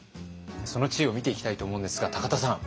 その知恵を見ていきたいと思うんですが田さん。